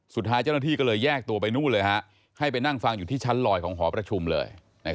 สุดท้ายเจ้าหน้าที่ก็เลยแยกตัวไปนู่นเลยให้ไปนั่งฟังอยู่ที่ชั้นลอยของหอประชุมเลย